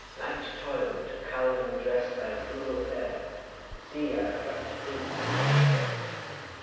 'Light toil! to cull and dress thy frugal fare! See, I have plucked the fruit that promised best.'"